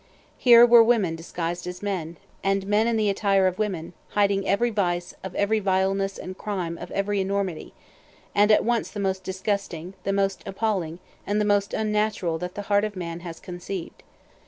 Here were women disguised as men, and men in the attire of women, hiding vice of every vileness and crime of every enormity, at once the most disgusting, the most appalling, and the most unnatural that the heart of man has conceived.